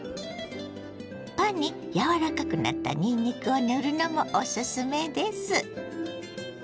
パンに柔らかくなったにんにくを塗るのもおすすめです。